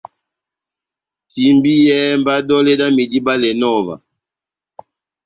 Timbiyɛhɛ mba dɔlɛ dami dibalɛnɔ ová.